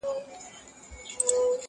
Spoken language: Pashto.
زموږ پر تندي به وي تیارې لیکلي.!